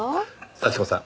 幸子さん